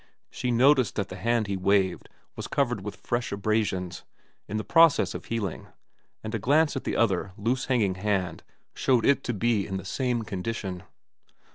She noticed that the hand he waved was covered with fresh abrasions, in the process of healing, and a glance at the other loose hanging hand showed it to be in the same condition.